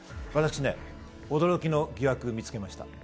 私、驚きの疑惑を見つけました、